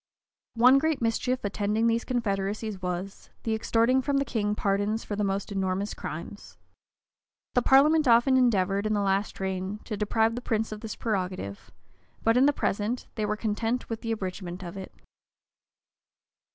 One great mischief attending these confederacies was, the extorting from the king pardons for the most enormous crimes. The parliament often endeavored, in the last reign, to deprive the prince of this prerogative; but, in the present, they were content with an abridgment of it.